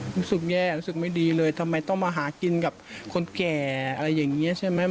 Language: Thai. รู้สึกแย่รู้สึกไม่ดีเลยทำไมต้องมาหากินกับคนแก่อะไรอย่างนี้ใช่ไหม